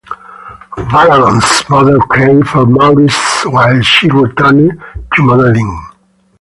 Valadon's mother cared for Maurice while she returned to modelling.